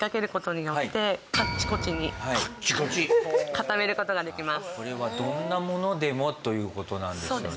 カッチコチこれはどんなものでもということなんですよね